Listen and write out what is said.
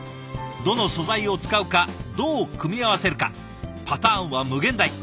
どの素材を使うかどう組み合わせるかパターンは無限大。